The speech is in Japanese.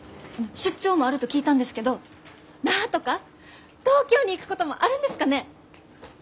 出張もあると聞いたんですけど那覇とか東京に行くこともあるんですかね？